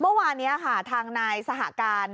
เมื่อวานนี้ค่ะทางนายสหการ